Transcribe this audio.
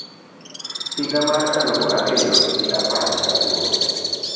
higa mar eluf ario gi apar gi aboro